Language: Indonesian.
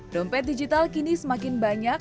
dompet digital kini semakin banyak